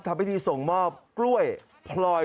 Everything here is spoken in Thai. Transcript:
ทำพิธีส่งมอบกล้วยพลอย